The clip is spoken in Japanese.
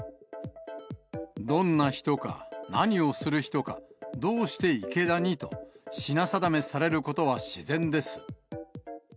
どんな人か、何をする人か、どうして池田にと品定めされることは自然です。